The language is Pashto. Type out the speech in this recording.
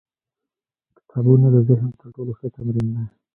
کتابونه د ذهن تر ټولو ښه تمرین دی.